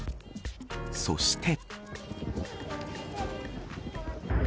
そして。